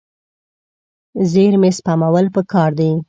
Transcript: زیرمې سپمول پکار دي.